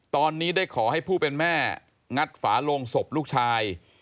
ตอนนี้ได้ขอให้ผู้เป็นแม่งัดฝาโลงศพลูกชาย